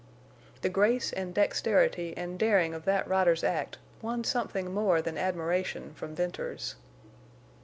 The grace and dexterity and daring of that rider's act won something more than admiration from Venters.